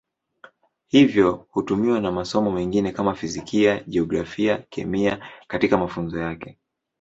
Hivyo hutumiwa na masomo mengine kama Fizikia, Jiografia, Kemia katika mafunzo yake.